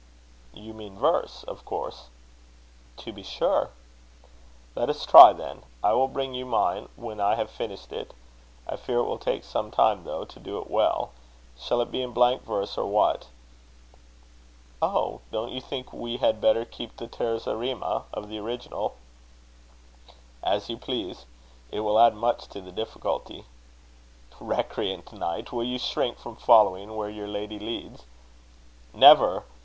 "You mean verse, of course?" "To be sure." "Let us try, then. I will bring you mine when I have finished it. I fear it will take some time, though, to do it well. Shall it be in blank verse, or what?" "Oh! don't you think we had better keep the Terza Rima of the original?" "As you please. It will add much to the difficulty." "Recreant knight! will you shrink from following where your lady leads?" "Never!